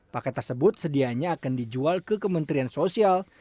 paket tersebut sedianya akan dijual ke kementerian sosial